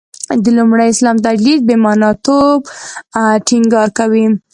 د لومړي اسلام تجدید «بې معنا» توب ټینګار کوي.